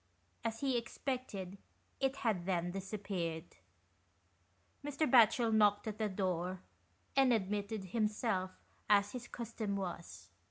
As he expected, it had then disappeared. Mr. Batchel knocked at the door, and ad mitted himself, as his custom was.